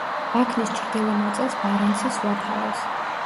ბაქნის ჩრდილო ნაწილს ბარენცის ზღვა ფარავს.